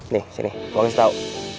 nih sini gue kasih tau